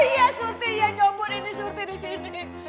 iya surti nyomot ini surti disini